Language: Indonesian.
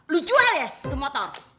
lu jual ya tuh motor